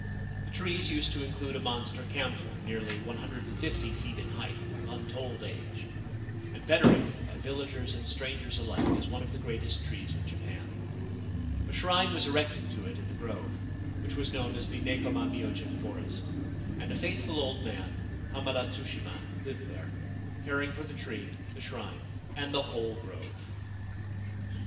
The trees used to include a monster camphor nearly 150 feet in height, of untold age, and venerated by villagers and strangers alike as one of the greatest trees in Japan. A shrine was erected to it in the grove, which was known as the Nekoma myojin forest ; and a faithful old man, Hamada Tsushima, lived there, caring for the tree, the shrine, and the whole grove.